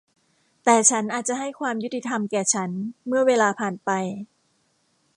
แต่ฉันอาจจะให้ความยุติธรรมแก่ฉันเมื่อเวลาผ่านไป